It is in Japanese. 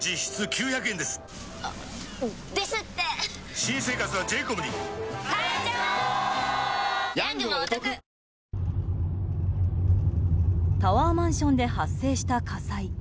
新「ＥＬＩＸＩＲ」タワーマンションで発生した火災。